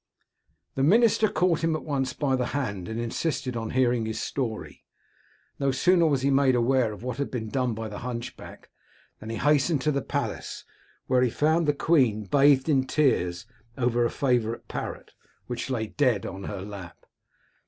" The minister caught him at once by the hand, and insisted on hearing his story. No sooner was he made aware of what had been done by the hunchback, than he hastened to the palace, where he found the queen bathed in tears over a favourite parrot, which lay dead on her lap.